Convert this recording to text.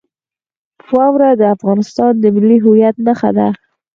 واوره د افغانستان د ملي هویت نښه ده.